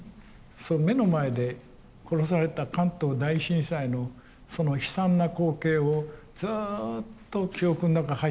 その目の前で殺された関東大震災のその悲惨な光景をずうっと記憶の中入ってるんですね。